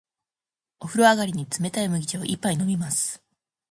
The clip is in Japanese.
お風呂上がりに、冷たい麦茶を一杯飲みます。